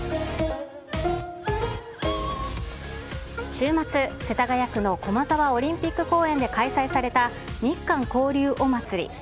週末、世田谷区の駒沢オリンピック公園で開催された日韓交流おまつり。